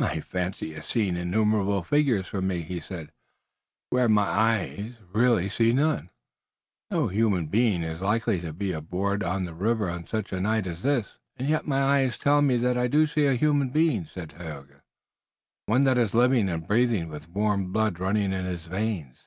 "My fancy is seeing innumerable figures for me," he said, "where my eyes really see none. No human being is likely to be abroad on the river on such a night as this." "And yet my own eyes tell me that I do see a human being," said Tayoga, "one that is living and breathing, with warm blood running in his veins."